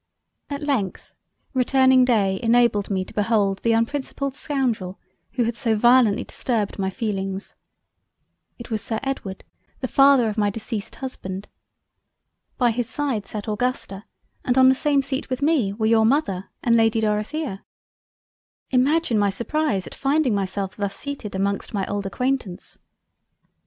At length, returning Day enabled me to behold the unprincipled Scoundrel who had so violently disturbed my feelings. It was Sir Edward the father of my Deceased Husband. By his side sate Augusta, and on the same seat with me were your Mother and Lady Dorothea. Imagine my surprise at finding myself thus seated amongst my old Acquaintance.